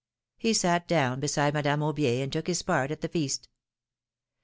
He sat down beside Madame Aubier and took his part at the feast.